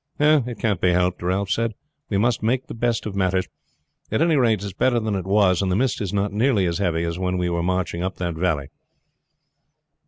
"It can't be helped," Ralph said. "We must make the best of matters. At any rate it's better than it was, and the mist is not nearly as heavy as when we were marching up that valley."